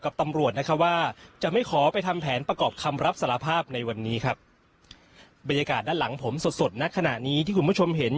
บรรยากาศด้านหลังผมสดณขณะนี้ที่คุณผู้ชมเห็น